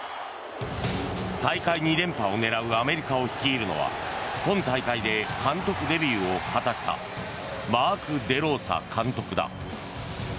大会２連覇を狙うアメリカを率いるのは今大会で監督デビューを果たしたマーク・デローサ監督だ。